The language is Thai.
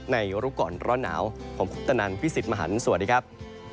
รู้ก่อนร้อนหนาวผมคุปตนันพี่สิทธิ์มหันฯสวัสดีครับ